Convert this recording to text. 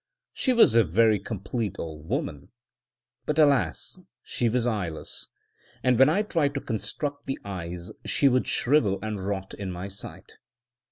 She was a very complete old woman; but, alas! she was eyeless, and when I tried to construct the eyes she would shrivel and rot in my sight.